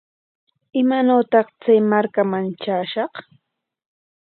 ¿Imaanawtaq chay markaman traashaq?